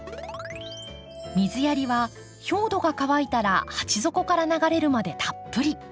水やりは表土が乾いたら鉢底から流れるまでたっぷり。